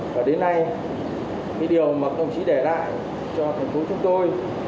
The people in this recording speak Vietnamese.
và đến nay điều mà thậm chí để lại cho thành phố chúng tôi